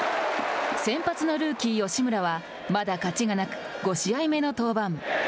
先発のルーキー吉村はまだ勝ちがなく５試合目の登板。